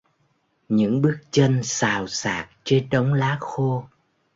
Những bước chân xào xạc trên đống lá khô